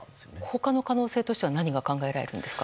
他の可能性としては何が考えられますか？